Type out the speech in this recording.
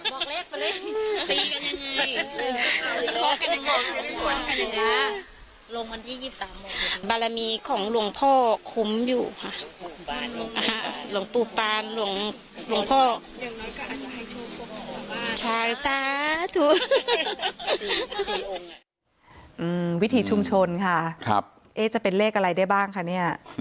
อืมวิธีชุมชนค่ะครับเอ๊ะจะเป็นเลขอะไรได้บ้างค่ะเนี้ย